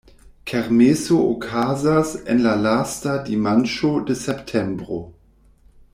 Kermeso okazas en la lasta dimanĉo de septembro.